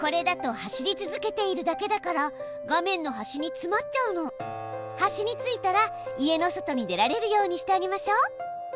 端に着いたら家の外に出られるようにしてあげましょ。